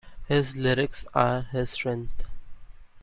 His lyrics are his strength.